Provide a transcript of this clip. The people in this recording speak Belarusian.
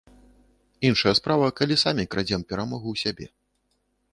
Іншая справа, калі самі крадзем перамогу ў сябе.